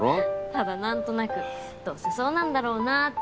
ただ何となくどうせそうなんだろうなぁって。